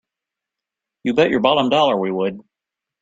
You bet your bottom dollar we would!